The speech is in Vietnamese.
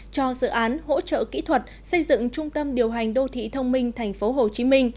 cho dự án hỗ trợ kỹ thuật xây dựng trung tâm điều hành đô thị thông minh tp hcm